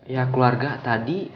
ya keluarga tadi